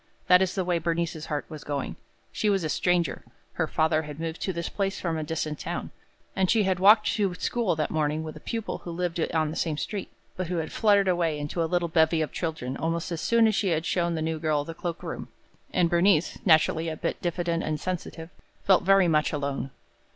That is the way Bernice's heart was going. She was a stranger. Her father had moved to this place from a distant town, and she had walked to school that morning with a pupil who lived on the same street, but who had fluttered away into a little bevy of children almost as soon as she had shown the new girl the cloak room; and Bernice, naturally a bit diffident and sensitive, felt very much alone.